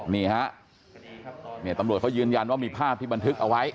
นี่ฮะตำรวจเขายืนยันว่ามีภาพที่บันทึกเอาไว้